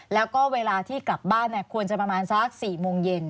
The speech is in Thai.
แล้วก็เวลาที่กลับบ้านควรจะประมาณสัก๔โมงเย็น